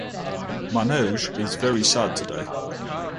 Manoj is very sad today.